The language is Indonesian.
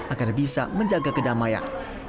agar bisa menjaga kedamaian